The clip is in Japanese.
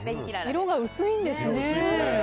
色が薄いんですね。